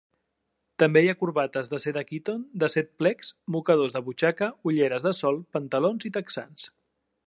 També hi ha corbates de seda Kiton de set plecs, mocadors de butxaca, ulleres de sol, pantalons i texans.